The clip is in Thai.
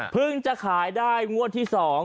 พึ่งจะขายได้งวดที่๒